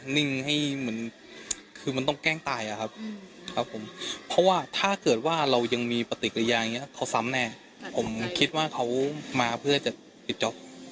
นิ่งให้เหมือนคือมันต้องแกล้งตายอะครับครับผมเพราะว่าถ้าเกิดว่าเรายังมีปฏิกิริยาอย่างนี้เขาซ้ำแน่ผมคิดว่าเขามาเพื่อจะปิดจ๊อป